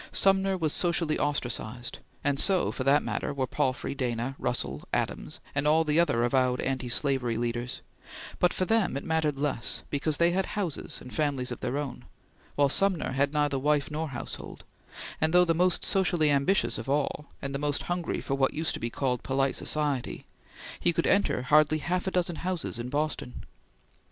Sumner was socially ostracized, and so, for that matter, were Palfrey, Dana, Russell, Adams, and all the other avowed anti slavery leaders, but for them it mattered less, because they had houses and families of their own; while Sumner had neither wife nor household, and, though the most socially ambitious of all, and the most hungry for what used to be called polite society, he could enter hardly half a dozen houses in Boston.